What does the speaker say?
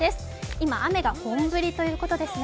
今、雨が本降りということですね。